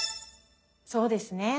そうですね。